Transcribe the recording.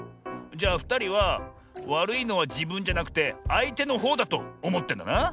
じゃあふたりはわるいのはじぶんじゃなくてあいてのほうだとおもってんだな。